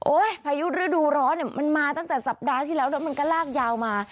พายุฤดูร้อนเนี่ยมันมาตั้งแต่สัปดาห์ที่แล้วแล้วมันก็ลากยาวมา